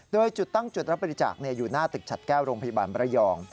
โดยจุดตั้งจุดรับบริจาคอยู่หน้าตึกฉัดแก้วโรงพยาบาลระยอง